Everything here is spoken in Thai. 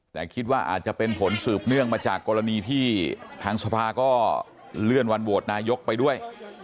แต่คิดว่าอาจจะเป็นผลสืบเนื่องมาจากกรณีที่ทางสภาก็เลื่อนวันโหวตนายกไปด้วย